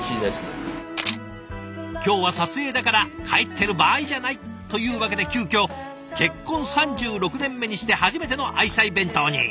今日は撮影だから帰ってる場合じゃないというわけで急きょ結婚３６年目にして初めての愛妻弁当に。